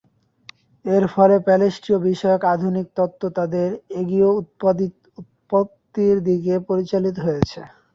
এর ফলে পলেষ্টীয় বিষয়ক আধুনিক তত্ত্ব তাদের এগীয় উৎপত্তির দিকে পরিচালিত হয়েছে।